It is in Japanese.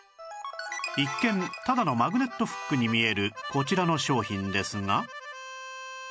一見ただのマグネットフックに見えるこちらの商品ですが